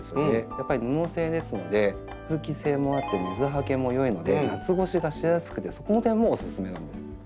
やっぱり布製ですので通気性もあって水はけも良いので夏越しがしやすくてそこの点もおすすめなんです。